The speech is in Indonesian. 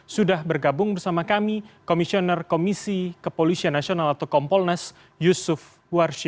sudah bergabung bersama kami komisioner komisi kepolisian nasional atau kompolnas yusuf warshi